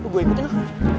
gue ikutin lah